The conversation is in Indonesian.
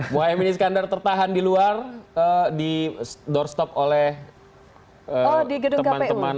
mohaimin iskandar tertahan di luar di doorstop oleh teman teman